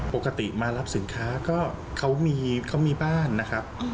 ปกติมารับสินค้าก็เขามีบ้านนะครับ